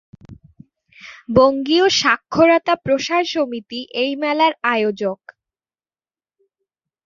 বঙ্গীয় সাক্ষরতা প্রসার সমিতি এই মেলার আয়োজক।